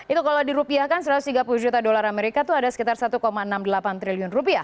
itu kalau dirupiahkan satu ratus tiga puluh juta dolar amerika itu ada sekitar satu enam puluh delapan triliun rupiah